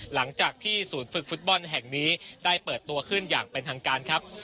หลังจากที่ศูนย์ฝึกฟุตบอลแห่งนี้ได้เปิดตัวขึ้นอย่างเป็นทางการครับ